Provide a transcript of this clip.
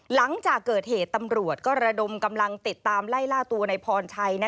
หลังจากเกิดเหตุตำรวจก็ระดมกำลังติดตามไล่ล่าตัวในพรชัย